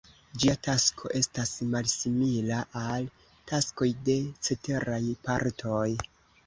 Ĝia tasko estas malsimila al taskoj de ceteraj partoj.